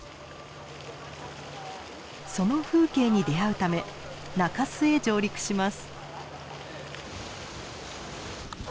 その風景に出会うため中州へ上陸します。